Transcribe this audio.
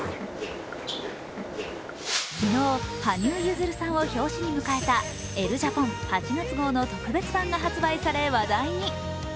昨日、羽生結弦さんを表紙に迎えた「ＥＬＬＥＪＡＰＯＮ」８月号の特別版が発売され話題に。